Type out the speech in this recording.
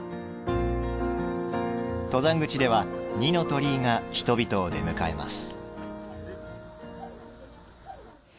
登山口では、二の鳥居が人々を出迎えます。